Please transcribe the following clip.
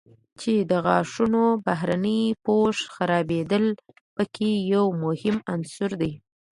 چې د غاښونو بهرني پوښ خرابېدل په کې یو مهم عنصر دی.